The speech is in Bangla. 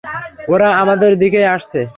ওরা আমাদের দিকেই আসছে।